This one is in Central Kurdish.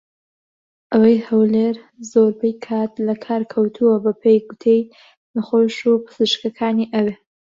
ئەوەی هەولێر زۆربەی کات لە کار کەوتووە بە پێی گوتەی نەخۆش و پزیشکانی ئەوێ